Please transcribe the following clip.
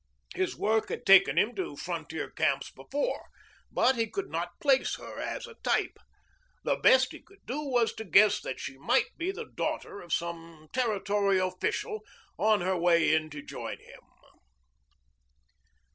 His work had taken him to frontier camps before, but he could not place her as a type. The best he could do was to guess that she might be the daughter of some territorial official on her way in to join him.